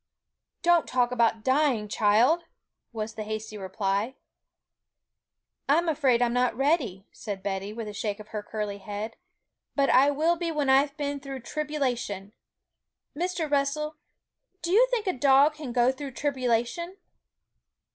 'Don't talk about dying, child!' was the hasty reply. 'I'm afraid I'm not ready,' said Betty, with a shake of her curly head; 'but I will be when I've been through tribulation! Mr. Russell, do you think a dog can go through tribulation?'